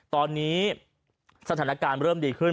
ตอนนี้สถานการณ์เริ่มดีขึ้น